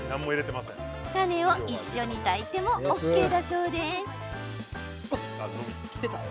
種を一緒に炊いてもＯＫだそうです。